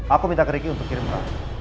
aku minta ke ricky untuk kirimkan